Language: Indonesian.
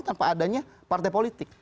tanpa adanya partai politik